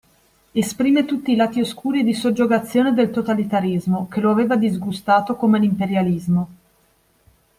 Esprime tutti i lati oscuri e di soggiogazione del totalitarismo che lo aveva disgustato come l'imperialismo.